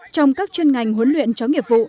trong các chuyên ngành huấn luyện chó nghiệp vụ